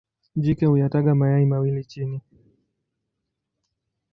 Jike huyataga mayai mawili chini.